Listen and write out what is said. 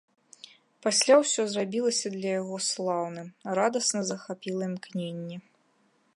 Пасля ўсё зрабілася для яго слаўным, радасна захапіла імкненне.